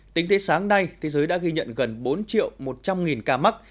tính thế sáng nay thế giới đã ghi nhận gần bốn triệu một trăm linh nghìn ca mắc